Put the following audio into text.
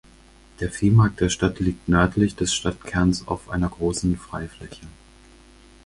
Der Viehmarkt der Stadt liegt nördlich des Stadtkerns auf einer großen Freifläche.